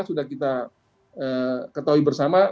sudah kita ketahui bersama